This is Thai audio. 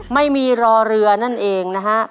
ไม่มีรอเรือนั่นเองนะฮะ